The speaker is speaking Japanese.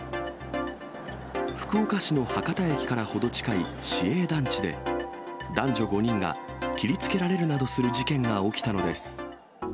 福岡市の博多駅から程近い市営団地で、男女５人が切りつけられるなどする事件が起きたのです。